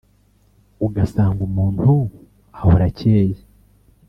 ugasanga umuntu ahora acyeye